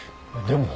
でも。